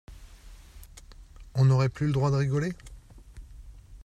on n’aurait plus le droit de rigoler !